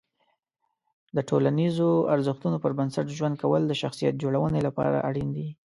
د ټولنیزو ارزښتونو پر بنسټ ژوند کول د شخصیت جوړونې لپاره اړین دي.